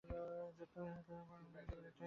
আপনাকে খবরে দেখে-দেখে বিরক্ত হয়ে পড়েছিলাম।